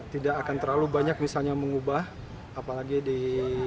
meskipun bukan saya atau coach mila disini